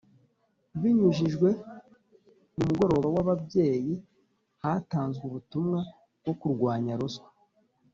Binyujijwe mu Mugoroba w Ababyeyi hatanzwe ubutumwa bwo kurwanya ruswa